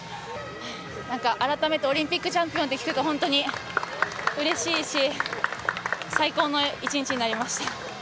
なんか、改めてオリンピックチャンピオンって聞くと、本当にうれしいし、最高の一日になりました。